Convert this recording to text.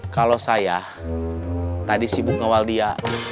kalau saya tadi sibuk ngawal dia